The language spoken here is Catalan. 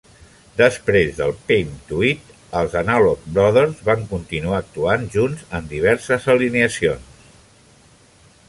Després de "Pimp to Eat", els Analog Brothers van continuar actuant junts en diverses alineacions.